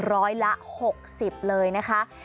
ร้อยละ๖๐เลยนะคะ